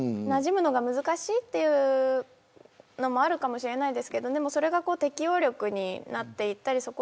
なじむのが難しいというのもあるかもしれないですがそれが適応力になっていたり